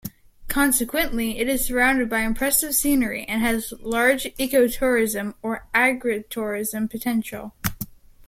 Consequently, it is surrounded by impressive scenery and has large ecotourism or agritourism potential.